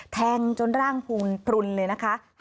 แทงจนร่างพลุนเลยนะคะ